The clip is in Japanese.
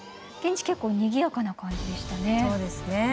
現地、結構にぎやかな感じでした。